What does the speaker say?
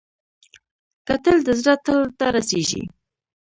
کتل د زړه تل ته رسېږي